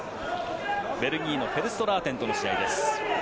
ベルギーのフェルストラーテンとの試合。